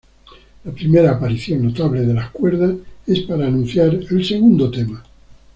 La primera aparición notable de las cuerdas es para anunciar el segundo tema.